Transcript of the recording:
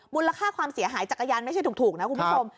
มูลค่าความเสียหายจักรยานไม่ใช่ถูกนะคุณผู้ชม